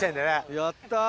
やった！